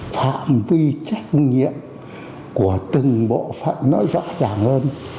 phạm vi trách nhiệm của từng bộ phận nó rõ ràng hơn